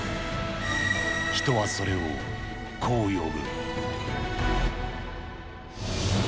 人はそれをこう呼ぶ。